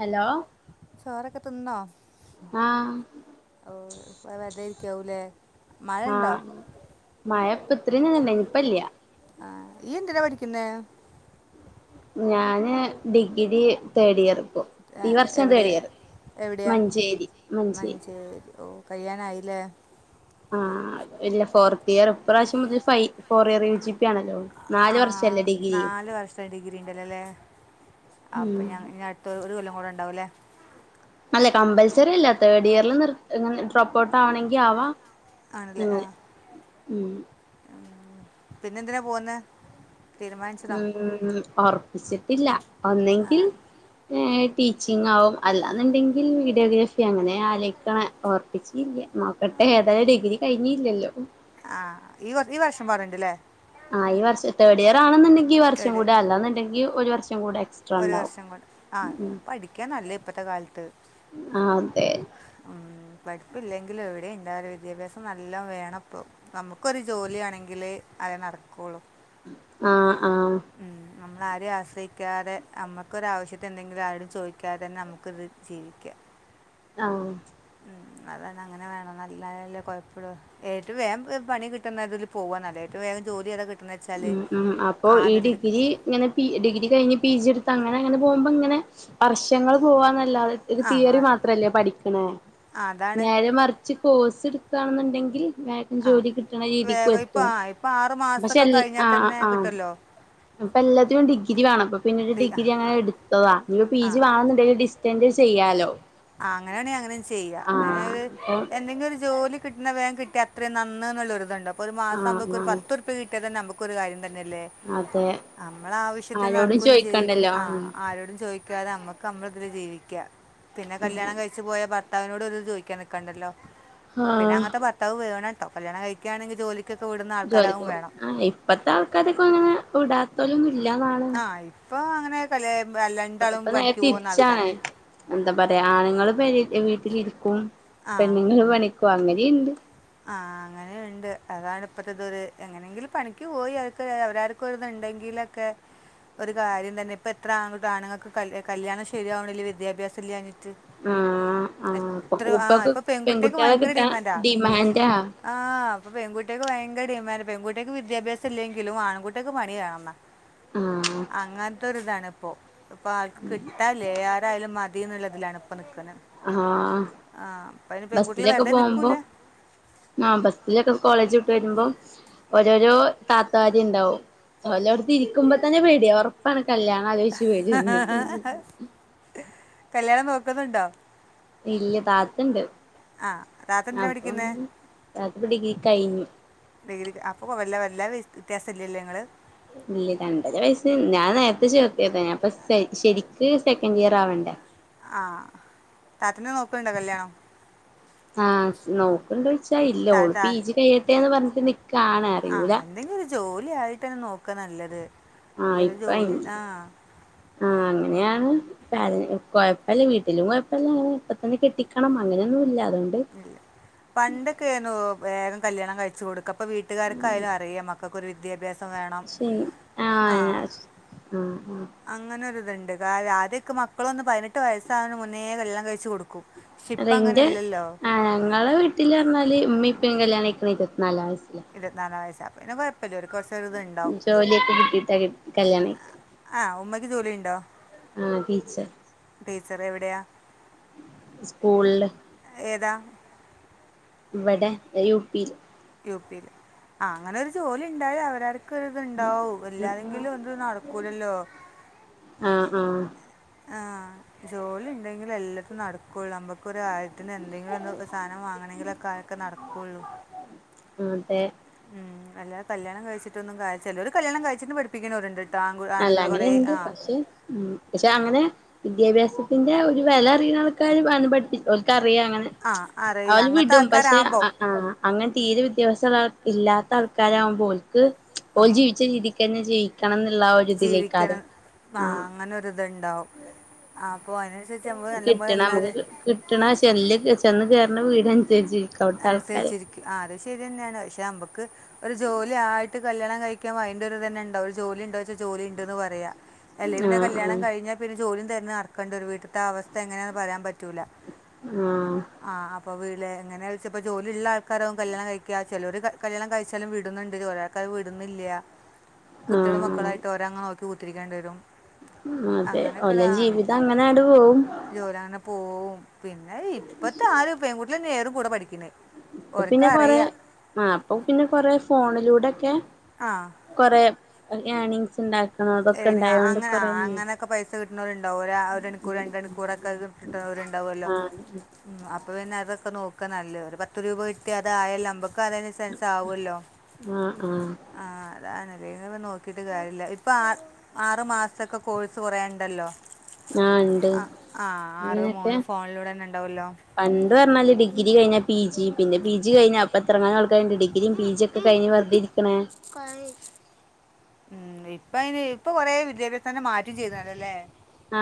Hello ചോറൊക്കെ തിന്നോ ആഹ് ഓ വെറുതെ ഇരിക്കാവു ലേ ആ മഴ [unintelligible] ണ്ടായിനിം ഇപ്പല്യാ ആ ഇയ്യെന്തിനാ പടികുന്നെ ഞാന് ഡിഗ്രി തേഡ് ഇയർ ആ, ഈ വർഷം എവിടെ തേടിയറ് എവിടെയാ മഞ്ചേരി മഞ്ചേരി കയ്യിനായില്ലേ ആ ഇല്ല ഫോർത്ത് ഇയർ ഇപ്രാവശ്യം മുതൽ ഫൈ ഫോർ ഇയർ യുജിപാണല്ലോ ആ നാല് വർഷം ഡിഗ്രി ഉണ്ടല്ലെലേ അപ്പൊ [unintelligible] അടുത്ത ഒരു കൊല്ലം കൂടെ ഉണ്ടാവൂല്ലെ അല്ലെ കമ്പൽസറി അല്ല തേർഡ് ഇയറിൽ നിർത്തി [unintelligible] പ്രൊപ്പോട്ട് ആവണെങ്കി ആവാം ആണല്ലേ ആ മ് പിന്നെന്തിനാ പോവ്ന്നേ മ് ഉറപ്പിച്ചിട്ടില്ല ഒന്നെങ്കിൽ ടീച്ചിങ്ങാകും അല്ലാന്ന്ണ്ടെങ്കിൽ വീഡിയോഗ്രാഫി അങ്ങനെയാ അലോയ്ക്കനെ ഒറപ്പിച്ചില്ല്യ നോക്ക [unintelligible] ഡിഗ്രി കൈഞ്ഞില്ലല്ലോ ആ ഈ ഈ വർഷം പറയ്ണ്ട്‌ല്ലെ ആ ഈ വർഷ തേഡ് ഇയർ ആണെന്നുണ്ടെങ്കി ഈ വർഷം തേർഡ് കൂടെ അല്ലാ എന്നുണ്ടെങ്കിൽ വർഷം കൂടെ എക്സ്ട്രാ ഒരു ഉണ്ടാവും വർഷം കൊണ്ട് ആ പഠിക്ക്യ ന്നല്ല ഇപ്പത്തെ കാലത്ത് ആ അതെ ആ പഠിപ്പില്ലെങ്കിലും എവിടെ ഇണ്ടാവൂല വിദ്യാഭ്യാസം നല്ലാം വേണപ്പം നമുക്കൊരു ജോലിവേണെങ്കില് അതെനടക്കൂള്ളു ആ ആ ഇന്നാരിം ആശ്രയിക്കാതെ നമൊക്കൊരു ആവിശ്യത്തിണെങ്കിലും ആരോടും ചോയ്ക്കാതെ തന്നെ നമുക്കിന്ന് ജീവിക്കാം [inaudible] ആ ഉം അതാണ് അങ്ങനെ വേണം നല്ല [unintelligible] കൊയപ്പോള്ളു ഏറ്റവും വേം പണി കിട്ടുന്നതിൽ പോവാ നല്ല [unintelligible] ജോലി [unintelligible] ഉം ഉം അപ്പൊ ആ ഈ അതിൽ ഡിഗ്രി ഇങ്ങനെ തീ ഡിഗ്രി കഴിഞ്ഞ് പി ജി എടുത്ത് അങ്ങനെ അങ്ങനെ പോകുമ്പോങ്ങനെ വർഷങ്ങള് പോവാന്നല്ലാതെ ത്ഇത് ആ ആ തിയറി മാത്രല്ലേ പഠിക്കണെ ആ അതാണ് നേരെ മറിച്ച് കോഴ്സ് [unintelligible] ക്കാന്നുണ്ടെങ്കിൽ വേഗം ആ ജോലി കിട്ടണ രീതിക്കും വേഗം ഇപ്പോൾ എത്തും ആ ഇപ്പോൾ ആറ് പാശേ മാസമൊക്കെ കഴിഞ്ഞാൽ തന്നെ കിട്ടല്ലോ ഇപ്പം എല്ലാത്തിനും ഡിഗ്രി വേണം അപ്പ പിന്നൊരു ഡി ആ ഡിഗ്രി അങ്ങനെ എടുത്തതാ ഇപ്പം പി ആ ജി ആ വേണെന്നുണ്ടെങ്കില് ഡിസ്റ്റൻ എന്ത് ചെയ്യാലോ ആ അങ്ങനെയാണെങ്കി അങ്ങനിം ചെയ്യാ ആഹ് അപ്പൊ എന്തെങ്കിലൊരു ജോലി കിട്ടണ വേം കിട്ടിയ അത്ര നന്ന് ഉള്ളൊരുതുണ്ട് അപ്പോ ഒരു മാസവുമ്പോക് ആഹ് ഒരു ആഹ് പത്തുർപ്യ കിട്ട്യാ തന്നെ നമുക്കൊ കാര്യ തന്നല്ലേ അതെ നമ്മൾ ആവശ്യത്തി ആരോടും നടക്കയും ചെയ് ചോയിക്കണ്ടല്ലോ ആ ആഹ് ആരോടും ചോയ് ക്ക നമുക്ക് നമ്മളതിൽ ജീവിക്ക പിന്നെ കല്യാണം കഴിച്ച് പോയാ ഭർത്താവിനോട് ഓരോന്ന് ചോയ്ക്കാൻ നിക്കാണ്ടല്ലോ. പിന്നെ ആഹ് അങ്ങനത്തെ ഭർത്താവ് വേണംട്ടോ കല്യാണം കഴിക്കുകയാണെങ്കി ജോലി ജോലികൊ ആ ഇപ്പത്തെ ആൾക്കാരൊക്കെ അങ്ങനെ വിടാതോലൊന്നും ഇല്ലാന്നാണ് ആ അങ്ങനെകല്ലെ ഇപ്പൊ നേരെ തിരിച്ചാണ് എന്താ പറയാ ആണുങ്ങള് പേരെ വീട്ടിലിരിക്കും. ആ പെണ്ണുങ്ങ്ൾ പണിക്കോവും അങ്ങനീണ്ട്. ആ അങ്ങനെ ണ് ത് അതാണ് ഇപ്പത്തെ ഇത് ഒരു എങ്ങനെങ്കിലും പണിക്ക് പോയിഒക്കെ അവരോർക്ക്ത്ണ്ടെങ്കിലൊക്കെ ഒരു കാര്യം തന്നെ പ്പെ ത്ര ആണ്ങ്ങക്ക കല് കല്യാണം ശര്യാവ്ണില്ല വിദ്യാഭ്യാസല്ല്യാഞ്ഞി ആ ആ ഇപ്പൊ എത്ര ഇപ്പൊക്കെ ആഇപ്പൊ പെൺകുട്ട്യാക്ക് പെൺകുട്ടികളെ ഭയങ്കര കിട്ടാൻ ഡിമാൻഡാ. ഡിമാൻഡാ ആഹ് പ്പൊ പെൺകുട്ട്യാക്ക് ഭയ ങ്കര ഡിമാൻഡ് പെൺകുട്ട്യാക്ക് വിദ്യാഭ്യാസല്ലെങ്കിലും ആൺകുട്ട്യേക്ക് പണി വേണം ന്നാ ആ അങ്ങൻത്തൊര്താണ് പ്പോ പ്പാർക്കും കിട്ടാല്ല ഏതായാലും മ തി ന്ന്ള്ളതിലാണ് പ്പ നിക്ക്ന്നെ ആ ആ പ്പയ്ന് പെൺകുട്ട്യാൾ വെറുതെ നിക്കുല്ല ആഹ് ബസ്സിലൊക്കെ കോളേജ് വ്ട്ട് വരുമ്പോ ഓരോരോ താത്താര്ണ്ടാവും. ഓലോട്ത്ത് ഇരിക്കുമ്പോ തന്നെ പേട്യ ഒറപ്പാണ് കല്യാണാലോയ്ച്ച് വെരും ന്ന് കല്യാണം നോക്കുന്നുണ്ടോ ഇല്ല താത്തണ്ട് ആ താത്ത എന്തിനാണ് അപ്പം പഠിക്കുന്നത് താത്തപ്പ ഡിഗ്രി കഴിഞ്ഞു ഡിഗ്രിക്ക്‌ അപ്പൊ കൊ വല്ല വല്ലാ വ്യത്യാസം ഇല്ല്യലേ ങ്ങള് ഇല്ല്യ രണ്ടര വയസ്സ് ഞാൻ നേര്ത്തെ ചേർത്തിയതേനി അപ്പൊ സെയ് ശരിക്ക് സെക്കൻഡ് ഇയർ ആവണ്ട ആഹ് ത ആഹ് നോക്ക്‌ണ്ടോയ് ച്ചാ ഇല്ല ഓൾ ജി കയിയട്ടെന്ന് പർ ഞ് ആഹ് എന്തെങ്കിലൊരു ജോലിയായിട്ട് നോക്ക നല്ലത് ആഹ ഒരു ഇപ്പ ജോലി ആ ആഹ ന്യാണ് [unintelligible] കുഴപ്പല്ല വീട്ടിലും കൊയപ്പല്ല അന്ന് കെട്ടിക്കണം അങ്ങനെയൊന്നും ല്ല അതൊണ്ട് ഇല്ല പണ്ടൊക്കെ ആയിരുന്നു വേഗം കല്യാണം കൈച്ച് കൊടുക്ക പ്പൊ വീട്ടുകാർക്കായാലും അറിയാ മക്കൊക്കൊരു വിദ്യാഭ്യസം വേണം ആഹ് അങ്ങനൊര്ത്ണ്ട് കാരാ ആദ്യ ഒക്കെ മക്കളൊന്ന് പൈനെട്ട് വയസ്സാവണ മുന്നേ കല്യാണം കഴിച്ചു കൊടു അല്ല ന്റെ ആ ഞങ്ങളെ വീട്ടില് ർഞാല് മ്മീം പ്പികല്യാണയിക്ക്ണേ ഇരുപത്തി നാലാവയസില ഇർവത് നാലാ വയസ്സ് അപ്പൊ പിന്നെ കൊഴപ്പല്ലൊരു ജോലിയൊക്കെ കിട്ടിട്ട കല്യാണയ് ആഹ് ഉമ്മക്ക് ജോലിണ്ടോ? ആഹ് ടീച്ചർ ടീച്ചറെവിടെയാ? സ്കൂള്ൽ ഏതാ വടെ എ യു പി യു പിൽ ആ അങ്ങനൊരു ജോലി ണ്ടായ അവരാർ ക്ക്‌ ത്ണ്ടാവും എല്ലാരെെങ്കിലും എന്ത് ന്നടക്കൂലല്ലോ ആഹ് ആ ജോലിണ്ടെങ്കിലെല്ലതും ന്നടക്കൊള്ളൂ ന്നമ്മക്കൊര് കാര്യത്തിനെന്തെങ്കിലൊന്ന് സാനം വാങ്ങണങ്കിലൊക്കാൻ ക്കെ നട്ക്കൊള്ളൂ ക്ക്‌ ആ തെ അല്ലാതെ കല്യാണം കഴിച്ചിട്ടൊന്നും കാര്യ ചെലോര് കല്യാണം കഴിച്ചിട്ട് പഠിപ്പിക്കണോര്ണ്ട്. അല്ല അങ്ങന്ണ്ട് പക്ഷെ മ് പഷേ അങ്ങനെ വിദ്യാഭ്യാസത്തിന്റെ ഒരു വെലറിയണാൾക്കാര് വേണം പട്പ്പിക്കു ഓൽക്കർ റിയാ ങ്ങനെ ആ അറിയാം അവര് അങ്ങനത്തെ വിടും പക്ഷെ ആൾക്കാരാകുമ്പോൾ അ അ അങ്ങനെ തീരെ വിദ്യാഭ്യാസള്ള ഇല്ലാത്ത ആൾക്കാരാവുമ്പോൽക്ക് ഓൽ ജീവിച്ച രീതിക്കെന്നെ ജീവിക്കണം ന്ന് ള്ള ജീവിക്ക്ണെ ആ അങ്ങനൊര് ത്ണ്ടാവും നല്ലപോലെ കിട്ട്ണ എന്നാൽ മക്ക് കിട്ടണ ചെല്ല് ചെന്ന് കേറ്ണ വീടൻ സര് ചിരിക്കും. അൻസരിച്ചിരിക്കും ആഹ് അത് ഷ ശെര്യന്നെണ് പക്ഷെ ഞ്ഞമ്മക്ക് ഒര് ജോല്യായിട്ട് കല്യാണം കഴിക്കുമ്പോ അയ്ന്റൊര്തന്നെ ണ്ടാവും ഒര് ജോലി ണ്ടോചോയ്ച്ച ജോ ജോലിണ്ട്ന്ന് പറയാ അല്ലെങ്കി പിന്നെ കല്യാണം ആഹ് കഴിഞ്ഞാ പിന്നെ ജോലിം തെര്ഞ് നടക്കണ്ടിവരും വീട്ട്ത്തെ അവസ്ഥ എങ്ങന്യാന്ന് പറയാൻ പറ്റ് റ്റൂല ആഹ് ആഹ് അപ്പൊ വീലെ എങ്ങനെ ച്ചെലപ്പ ജോലിള്ള ആൾക്കാരാവും കല്യാണം കയ്ക്ക ചിലോര് കല്യാണം കയ്ച്ചാലും വിടുന്നുണ്ട് ഒരാൾക്കാര് വിടുന്നില്ല്യാ കുട്ടികളും ആഹ് മക്കളായിട്ട് ഓരങ്ങ് നോക്കി കുത്തിരിക്കേണ്ടി വരും അതെ അങ്ങനെയൊക്കെ ഓലെ ആ ജീവിതം അങ്ങനങ്ങ്ട് പോവും ജോലി അങ്ങനെ പോവും പിന്നെ ഇപ്പത്തെ ആര് പെൺകുട്ടികളെന്നെ ഏറ് കൂടെ പഠി ഇപ്പ പിന്നെ കൊറേ ആ ഇപ്പൊ പിന്നെ കൊറേ ഫോണിലൂടൊക്കെ ആ കൊറേ ഏണിങ്സ് ണ്ടാ അങ്ങനാ അങ്ങനൊക്കെ പൈസ കിട്ടണോരുണ്ടാവുംലെ ഒരണിക്കൂർ രണ്ടണിക്കൂറൊക്കെ കിട്ടണോര് ണ്ടാവൊല്ലോ ആഹ് ഉം അപ്പപിന്നെ അതൊക്കെ നോക്കാ ന്നല്ലത് പത്ത് രൂപ കിട്ടിയ അതായല്ലോ നമ്മ ഫരേദിസെൻസാവൊല്ലോ ആഹ് ആഹ് ആ അതാണ് ല്ലേ ഇനിപ്പ നോക്കിട്ട് കാര്യല്ല ഇപ്പം ആറ് ആറ് മാസ്ത്തൊക്കെ കോഴ്സ് കൊറേയ്ണ്ടല്ലോ ആഹ് ഇണ്ട് ആ ആ ആറ് അങ്ങനെയൊക്കെ മൂന്ന് ഫോണിലൂടെന്നെ ണ്ടാവുല്ലോ പണ്ട് പറഞ്ഞാല് ഡിഗ്രി കഴിഞ്ഞാ പി ജി പിന്നെ പി ജി കഴിഞ്ഞ അപ്പെത്രങ്ങാനം ആൾക്കാരുണ്ട് ഡിഗ്രീം പി ജിം ഒക്കെ കയ്ഞ് വെർതിരിക്കണേ കറി ഉം ഇപ്പ അയ്ന് ഇപ്പ കൊറേ വിദ്യാഭ്യാസം തന്നെ മാറ്റി ചെയ്തണ്ട്ല്ലേ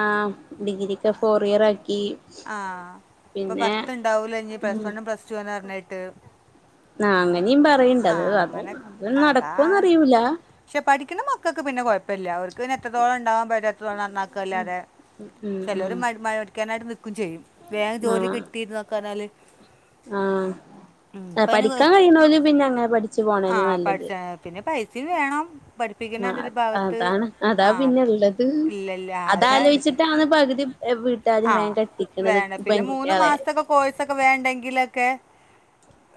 ആഹ് ഡിഗ്രിക്കെ ഫോർഇയർ ആയി ആ ഇപ്പ പർത്ത് ഇണ്ടാവൂലെ ഇനി പ്ലസ് വണ്ണും പ്ലസ്ടൂവന്നർഞ്ഞിട്ട് ന്നാ അങ്ങനേം പറയ്ണ്ട് അത് അത് അതാ നടക്കോന്നറിയൂല പക്ഷെ പഠിക്ക്‌ണ മക്കൾക്ക് പിന്നെ കൊയപ്പല്ല്യാ അവർക്ക് പിന്നെ എ ത്രത്തോളം ഇണ്ടവാ പറ്റും എത്രത്തോളം നന്നാക്കല്ലാതെ ഉം ഉം ചെലൊര് ഉം മര് മരിക്കാനായിട്ട് നിക്കും ചെയ്യും വേം ജോലി കിട്ടിന്നൊ ക്കെർഞ്ഞാല് ആഹ് ഇപ്പം അതിന് പഠിക്കാൻ കുഴ- കഴിയ്ണോര് പിന്നങ്ങനെ പഠിച്ച് പോണെന്നെ ന്നല്ലത് സീതി വേണം പഠിപ്പിക്കണ്ട് ര് ഭാഗത്ത് അതാണ് അതാ ആ പിന്നെ ഉള്ളത് ഇല്ലല്ല അ ഹേ അതാലോചിച്ചിട്ടാണ് പകുതി വീട്ടുകാരും ആ വേഗം കെട്ടിക്കണത് വേണ പിന്നെ മൂന്ന് പെൺകുട്ടികളെ മാസത്തൊക്കെ കോഴ്സൊക്കെ വേണ്ടെങ്കിലൊക്കെ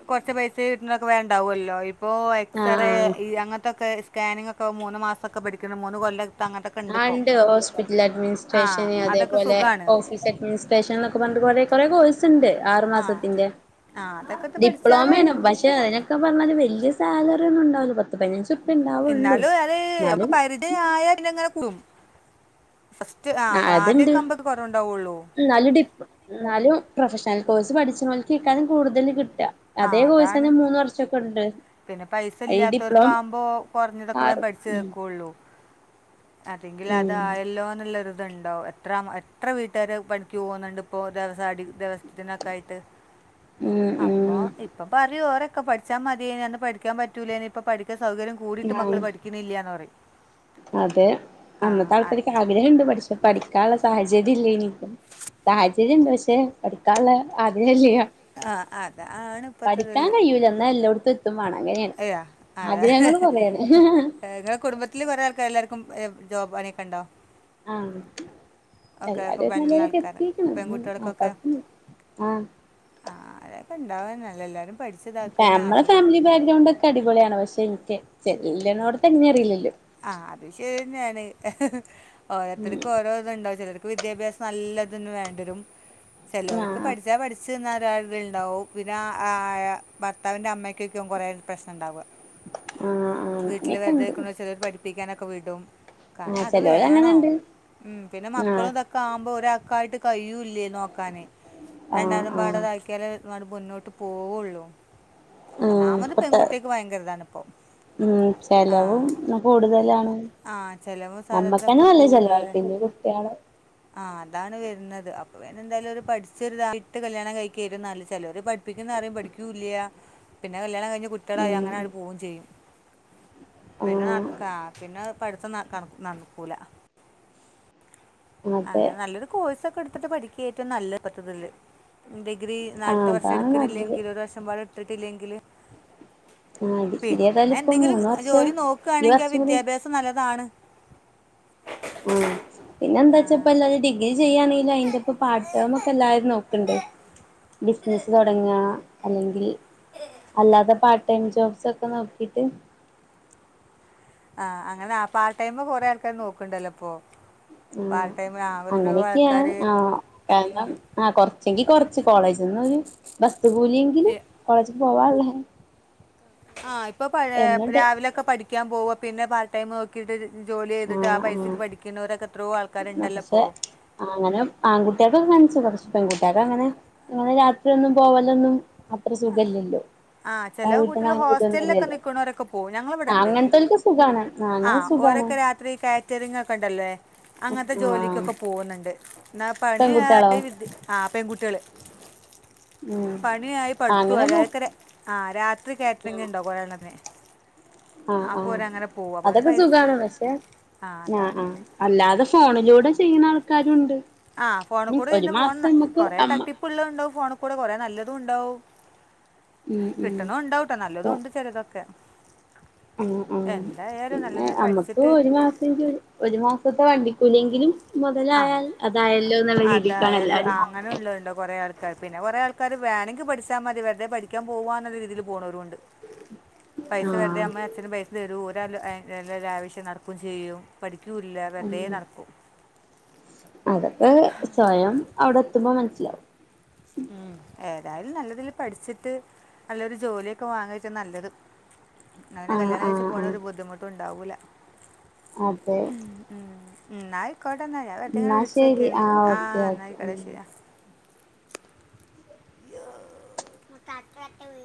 കൊറച്ച് പൈസ കിട്ടുന്നൊക്കെ വേണ്ടാവൊല്ലോ പ്പോ ആ എക്സറേ ആ ഈ അങ്ങൻത്തൊക്കെ സ്കാനിങ്ങൊക്കെ മൂന്ന് മാസ്തൊക്കെ പഠിക്ക്‌ണ് മൂന്ന് കൊല്ലം ആ ഇണ്ട് ഹോസ്പിറ്റൽ ആ അഡ്മിനിസ്ട്രേഷന് അതൊക്കെ അതേപോലെ സുഖമാണ് ഓഫീസ് അഡ്മിനിസ്ട്രേഷൻ ന്നൊക്കെ പറഞ്ഞിട്ട് കൊറേ കൊറേ കോഴ്സ്ണ്ട് ആറ് ആ മാസത്തിന്റെ ആ അതൊക്കെ ഇത് പഠിച്ചാൽ ഡിപ്ലോമേണ് പക്ഷെ അതിനൊക്കെ പറഞ്ഞാല് വല്യ സാലറി ഒന്നും ഉണ്ടാവില്ല പത്ത് പതിനഞ്ച് റുപ്യ ഉണ്ടാവുള്ളൂ എന്നാലും അറ് ഒക്കെ എന്നാലും പരിജയായ പിന്നെ ഇങ്ങനെ കൂടും ഫസ്റ്റ് ആ അത്ണ്ട് ആദ്യമൊക്കെ ആകുമ്പോൾ കുറവുണ്ടാവുള്ളൂ ന്നാലും ഡിപ് ന്നാലും പ്രൊഫഷണൽ കോഴ്സ് പഠിച്ച്ണോൽകിക്കാരം കൂടുതല് കിട്ടാ ആ അതേ അതാണ് കോഴ്സന്നെ മൂന്ന് വർഷൊക്കെഇണ്ട് പിന്നെ പൈസ ഇല്ലാത്തവർക്ക് ആവുമ്പോ കുറഞ്ഞതൊക്കെ വേം ആറ് പഠിച്ചു തക്കുള്ളു അതെങ്കില് ഉം അതായല്ലോന്നൊരുത് ത്ണ്ടോ എത്ര എത്ര വീട്ടുകാർ പണിക്ക് പോകുന്നുണ്ട് ഇപ്പോ [unintelligible] ഇതിനൊക്കെ ആയിട്ട് ഉം അപ്പൊ ഉം ഇപ്പൊ പറ ഓരൊക്കെ പഠിച്ചാ മതിയേനി പഠിക്കാൻ പറ്റൂലേനി ഇപ്പോൾ പഠിക്കാൻ സൗകര്യം കൂടിയിട്ട് ആഹ് മക്കൾ പഠിക്കുന്നില്ലെന്ന് പറയും അതെ ആ അന്നത്തെ അ- ആൾക്കാർക്ക് ആഗ്രഹുണ്ട് പഠിച്ച പഠി ക്കാൻള്ള സാഹചര്യം ഇല്ലേനി സാഹചര്യം ഉണ്ട് പക്ഷെ പഠക്കാനുള്ള ആഗ്രഹല്ല ആഹ് ആ അതാണ് ഇപ്പോഴത്തെ പഠിക്കാൻ കഴിയൂല ന്നാ എല്ലോട്ത്തും എത്തും വേണം അങ്ങനെയാണ് അയോ അതെ ആഗ്രഹങ്ങള് കൊറേയാണ് നിങ്ങളെ കുടുംബത്തില് കൊറേ ആൾക്കാ എല്ലാർ ക്കും ജോബ് പണി യൊക്കെ ണ്ടോ ആഹ് എല്ലാരും പണിയുള്ള നല്ലതിലക്കെ ആൾക്കാർ എത്തിക്ക്ണ് ഉം പെൺകുട്ടികൾക്കൊക്കെ ആപ്പക്ക ആഹ് ആ അതൊക്കെ ഇണ്ടാവന്നല്ല എല്ലാരും മളെ ഫാമിലി ബാക്ക്ഗ്രൗണ്ട് ഒക്കെ അടിപൊളിയാണ് പക്ഷെ എനിക്ക് ചെല്ല്ണോട്ത് എങ്ങിനെ അറീലല്ലോ ആ അത് ശരിന്നെയാണ് ഓരോരുത്തർക്കും ഓരോ ഇത്ണ്ടാവും ചിലർ വിദ്യാഭ്യാസം നല്ലതൊന്ന് വേണ്ടിവരും ചെലോർക്ക് ആഹ് പഠിച്ച പഠിച്ച് [unintelligible] ണ്ടാവും പിന്നെ ഭർത്താവിന്റെ അമ്മ ക്കെക്കും കൊറേ പ്രശ്നം ഉണ്ടാവ ആഹ് ആഹ് വീട്ടില് അങ്ങനെയൊക്കെ വെറുതെ ഉണ്ട് ക്ണോ പഠിപ്പിക്കാനൊക്കെ വിടും കാ ആഹ് അത് ചെലോര് വേണം അങ്ങനെണ്ട് ഉം പിന്നെ ആഹ് മക്കളുതൊക്കാവുമ്പോ ഒരാൾക്കായിട്ട് കഴിയൂല്ലേ നോക്കാനേ ആഹ് എല്ലാരും ആഹ് പാടെതാ ക്കിയാലേ ന മുന്നോട്ട് പോവൊള്ളു ആഹ് നാമത് ഇപ്പത്തെ പെൺകുട്ടിയേക്ക് ഭയങ്കരതാണ് ഇപ്പ ഉം ആ ചെലവും കൂടുതലാണ് ആ ചെലവും നമ്മക്കന്നെ സാധനത്തിനൊക്കെ നല്ല ചെലവ കൂടുതല് പിന്നെ കുട്ടിയേള് ആ അതാണ് വര്ണത് അപ്പൊ പിന്നെ എന്തായാലും ഒരു പഠിച്ചൊര്തായിട്ട് കല്യാണം കഴിക്കായിരി നൽ ചെലോര് പഠ് പ്പിക്കുന്നാരെയു പഠിക്കൂല്ല്യ പിന്നെ കല്യാണം കഴിഞ്ഞ് കുട്വളായി ഉം അങ്ങനെങ്ങട്ട് പോവും ചെയ്യും പിന്നെ ആഹ് ക്കാ പിന്നെ പഠിത്തം നടക്കൂല ആ അതെ നല്ലൊരു കോഴ്സൊക്കെ എട്ത്തിട്ട് പഠിക്കാ ഏറ്റും നല്ലെ ഇപ്പത്തതില് ഡിഗ്രി ആഹ് നാലത്തെ വർഷം അതാണ് നല്ലത് എടുക്കണില്ലെങ്കിൽ ഒരു വർഷം പാടെ എടുത്തിട്ടില്ലെങ്കിൽ ആഹ് ഡിഗ്രി ഏതായാലും ഇപ്പൊ പിന്നെന്തെങ്കിലും മൂന്ന് വർഷം ജോലി ഈ നോക്കാണെങ്കിൽ വർഷം കൂടി വിദ്യാഭ്യാസം നല്ലതാണ്. [unintelligible] പിന്നെന്താച്ച ആ, ഇപ്പല്ലാരും ഡിഗ്രി ചെയ്യാണെങ്കിലും അതിന്റൊപ്പ പാർടൈമൊക്കെ എല്ലാരും നോക്ക്ണ്ട്. ബിസിനസ്സ് തുടങ്ങാ അല്ലെങ്കിൽ അല്ലാതെ പാർട്ട് ടൈം ജോബ്സ് ഒക്കെ നോക്കിട്ട് ആ അങ്ങനെ ആ പാർടൈമ് കൊറെേ ആൾക്കാര് നോക്ക്ണ്ടല്ലോപ്പൊ. ഉം പാർ ടൈമ് അങ്ങനെയൊക്കെയാണ് ആ കാരണം ആ കൊറച്ചെങ്കി കൊറച്ച് കോളേജ്ന്നൊരു ബസ്തു കൂലിയെങ്കിലും കോളേജിൽ പോവാള്ള ആ ഇപ്പൊ പഴേ എന്നുണ്ട് രാവിലൊക്കെ പഠിക്കാൻ പോവ പിന്നെ പാർട്ട് ടൈം നോക്കിട്ട് ജോലിയ്തിട്ട് ആ ആഹ് ആഹ് പൈസക്ക് പഠിക്ക്ണോരൊക്കെ പക്ഷെ അങ്ങനെ ആൺകുട്ടിയേൾക്കൊക്കെ [unintelligible] പെൺകുട്യേക്കങ്ങനെ ങ്ങനെ രാത്രിയൊന്നും പോവല്ലൊന്നും അത്ര സുഖല്ല്യല്ലോ. ആ ചെല കുട്ട്യൾ ഹോസ്റ്റലിലൊക്കെ നിക്ക്ണോരൊക്കെ പോവും. ഞങ്ങടെ ആഹ് ഇവിടെണ്ട് അങ്ങനത്തോൽക്ക് സുഖാണ് ആഹ് ആ. അങ്ങനെ സുഖാണ് ഓരൊക്കെ രാത്രി കാറ്ററിംഗ് ഒക്കെ ഉണ്ടല്ലേ അങ്ങൻത്തെ ആഹ് ജോലിക്കൊക്കെ പോകുന്നുണ്ട് എന്നാ പണി പെൺകുട്ടികളോ ആ പെൺകുട്ട്യള്. ഉം പണിയായി പടുത്തു അങ്ങനെ പോ അതായക്കരെ ആ രാത്രി കാറ്ററിംഗ്ണ്ടോ കൊയേണന്നെ ആ ആ അതൊക്കെ പൈസ സുഖാണ് പക്ഷെ ആ ആ അല്ലാതെ ഫോണിലൂടെ ചെയ്യ്ണാൾക്കാരുണ്ട്. ആ ഫോൺ കൂടെ ഇന്ന് ഫോൺ കൊറെേ അമ്മ തട്ടിപ്പുള്ളത് ഉണ്ടാവും ഫോണിൽ കൂടെ കുറെേ നല്ല തുണ്ടാവും ഉം ഉം കിട്ടുണൊണ്ടാവുട്ടോ നല്ലതുണ്ട് ചെലതൊക്കെ മ്മ് മ്മ് പിന്നെ നല്ലത് നമ്മക്ക് പഠിച്ചിട്ട് ഒരു മാസം എങ്കി ഒരു മാസ വണ്ടിക്കൂലിയെങ്കിലും ആ മുതലായാൽ അതായല്ലോ എന്നുള്ള ആ രീതിക്കാണ് അതായാല് എല്ലാരും അങ്ങനെള്ളെണ്ട് കൊറെേ ആൾക്കാർ പിന്നെ കൊറെ ആൾ ക്കത് വേണങ്കിൽ പഠിച്ചാമതി വെർതെ പഠിക്കാ പോവാന്നുള്ള രീതീൽ പോണോരുണ്ട് പൈസ വെറുതെ ആഹ് അമ്മയും അച്ഛനും പൈസ തരും. ഓര് എല്ലാ ഓരോ ആവശ്യം നടക്കും ചെയ്യും. പഠി ക്കൂല്ല ഉം വെറുതേ നടക്കും. അതൊക്കെ സ്വയം അവിടെ എത്തുമ്പേ മനസ്സിലാവും. ഉമ് ഏതായാലും നല്ല ഇതില് പഠിച്ചിട്ട് നല്ലൊരു ജോലിയൊക്കെ വാങ്ങിച്ചാ നല്ലത്. അങ്ങനെ ആഹ് കല്യാണം കഴിച്ച് ആഹ് പോണ ആഹ് ഒരു ബുദ്ധിമുട്ട് ഉണ്ടാവൂല. അതെ ഉമ് ഉമ് ഇന്നാ ആയിക്കോട്ടെ എന്നാ ഞാൻ വെറുതെ അങ്ങനെ എന്നാ വിളിച്ചു ശരി നോകിയെനി ഓക്കെ ആഹ് ഓക്കെ എന്നായിക്കോട്ടെ ഉം ശരി. യോ